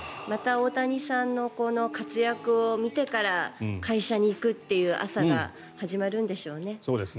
また大谷さんの活躍を見てから会社に行くという朝が始まるんでしょうね。